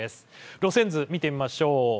路線図を見てみましょう。